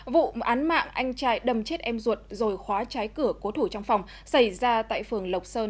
vụ án mạng anh trai đâm chết em ruột rồi khóa trái cửa cố thủ trong phòng xảy ra tại phường lộc sơn